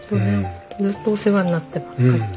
ずっとお世話になってばっかり。